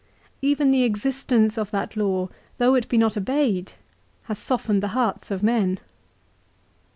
Even the existence of that law though it be not obeyed has softened the hearts of men.